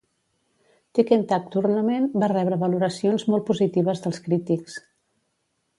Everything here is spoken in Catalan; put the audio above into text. Tekken Tag Tournament va rebre valoracions molt positives dels crítics.